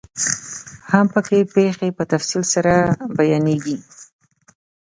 هم پکې پيښې په تفصیل سره بیانیږي.